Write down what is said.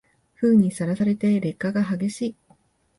雨風にさらされて劣化が激しい